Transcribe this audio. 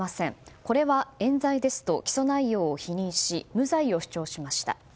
これは冤罪ですと起訴内容を否認し無罪を主張しました。